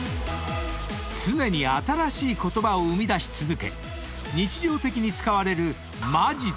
［常に新しい言葉を生み出し続け日常的に使われる「マジで？」